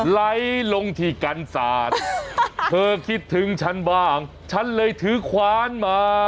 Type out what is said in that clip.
ไหลลงที่กันศาสตร์เธอคิดถึงฉันบ้างฉันเลยถือคว้านมา